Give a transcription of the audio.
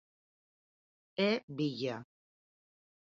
É Villa.